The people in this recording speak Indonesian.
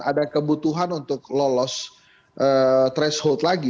ada kebutuhan untuk lolos threshold lagi